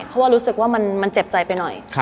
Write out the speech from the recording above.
เพราะว่ารู้สึกว่ามันเจ็บใจไปหน่อย